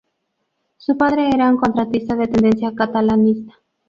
Su padre era un contratista de tendencia catalanista.